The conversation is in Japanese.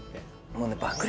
もうね。